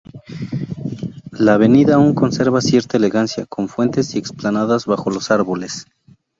La avenida aún conserva cierta elegancia, con fuentes y explanadas bajo los árboles.